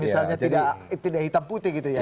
misalnya tidak hitam putih gitu ya